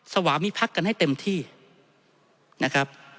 สวามิพักกันให้เต็มที่นะครับ